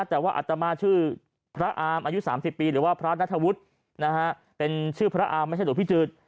แต่ว่าอัตมาชื่อพระอามอายุ๓๐ปีหรือว่าพระนัทวุฒินะฮะเป็นชื่อพระอาร์มไม่ใช่หลวงพี่จืด